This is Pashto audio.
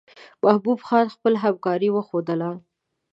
محبوب خان خپله همکاري وښودله.